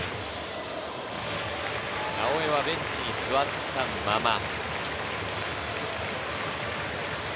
直江はベンチに座ったまま。